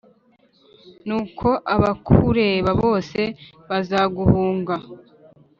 Nuko abakureba bose bazaguhunga